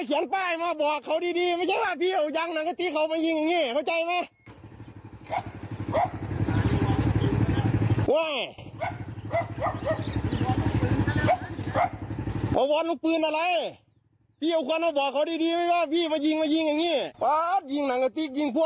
คนโดนยิงก็อารมณ์ขึ้นเลยครับพี่มายิงผมทำไมเนี่ย